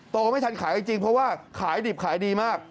ไม่ทันขายจริงเพราะว่าขายดิบขายดีมาก